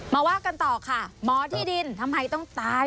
มาว่ากันต่อค่ะหมอที่ดินทำไมต้องตาย